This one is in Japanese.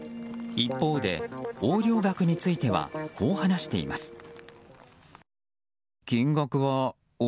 一方で、横領額についてはこう話しています。